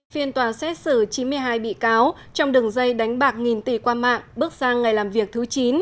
phiên tòa xét xử chín mươi hai bị cáo trong đường dây đánh bạc nghìn tỷ qua mạng bước sang ngày làm việc thứ chín